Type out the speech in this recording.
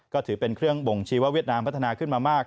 ก็ถือเป็นเครื่องบ่งชี้ว่าเวียดนามพัฒนาขึ้นมามาก